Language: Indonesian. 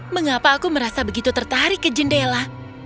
mengapa aku merasa begitu tertarik ke jendela